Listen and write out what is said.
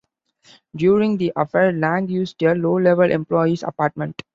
During the affair, Lang used a low-level employee's apartment.